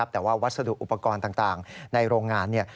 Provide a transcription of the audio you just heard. แต่ว่าวัสดุอุปกรณ์ต่างในโรงงาน